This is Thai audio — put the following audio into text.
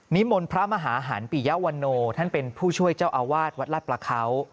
มนต์พระมหาหันปิยะวันโนท่านเป็นผู้ช่วยเจ้าอาวาสวัดลาดประเขา